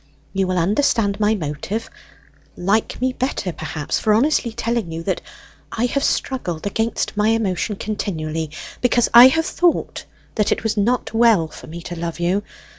You will understand my motive like me better, perhaps, for honestly telling you that I have struggled against my emotion continually, because I have thought that it was not well for me to love you!